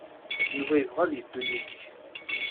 Yuba yebɣa ad yeddu yid-k.